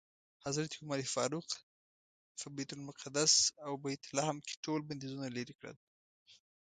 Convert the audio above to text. حضرت عمر فاروق په بیت المقدس او بیت لحم کې ټول بندیزونه لرې کړل.